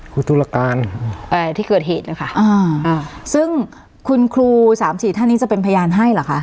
ครูธุรการอ่าที่เกิดเหตุนะคะอ่าอ่าซึ่งคุณครูสามสี่ท่านนี้จะเป็นพยานให้เหรอคะ